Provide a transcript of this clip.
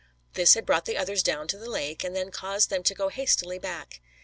This had brought the others down to the lake and then caused them to go hastily back.